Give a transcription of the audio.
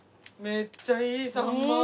めっちゃいいさんま。